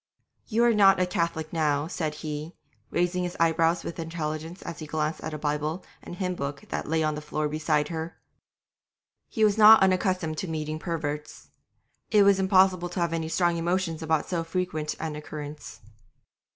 'You are not a Catholic now,' said he, raising his eyebrows with intelligence as he glanced at a Bible and hymn book that lay on the floor beside her. He was not unaccustomed to meeting perverts; it was impossible to have any strong emotion about so frequent an occurrence.